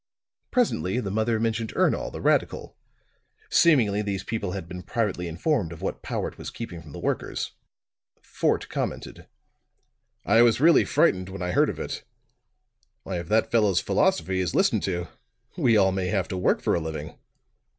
Presently the mother mentioned Ernol, the radical; seemingly these people had been privately informed of what Powart was keeping from the workers. Fort commented: "I was really frightened when I heard of it. Why, if that fellow's philosophy is listened to, we all may have to work for a living!"